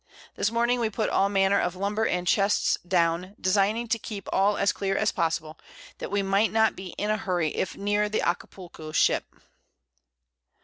This Morning we put all manner of Lumber and Chests down, designing to keep all as clear as possible, that we might not be in a Hurry if near the Acapulco Ship.